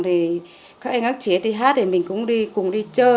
thì các anh các chị ở đi hát thì mình cũng đi cùng đi chơi